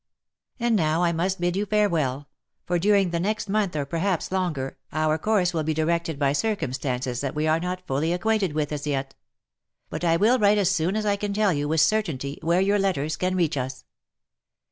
s .f And now I must bid you farewell|; for during the next month, or perhaps longer, our course will be directed by circumstances that we are not fully acquainted with as yet. But I will write as soon as I can tell you with certainty where your letters can reach us.